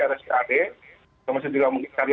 mereka betul betul mencatat dan mengikuti